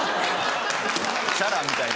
チャラみたいな。